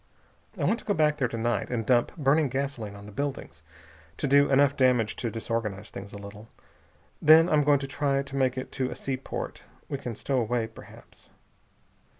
I want to go back there to night and dump burning gasoline on the buildings, to do enough damage to disorganize things a little. Then I'm going to try to make it to a seaport. We can stow away, perhaps."